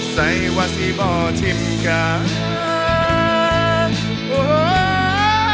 ใส่ว่าที่บ่อทิมการ